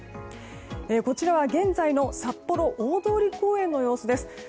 こちらは現在の札幌大通公園の様子です。